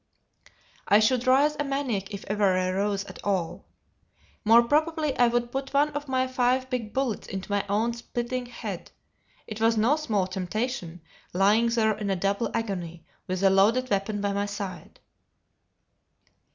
I should rise a maniac if ever I rose at all. More probably I would put one of my five big bullets into my own splitting head; it was no small temptation, lying there in a double agony, with the loaded weapon by my side.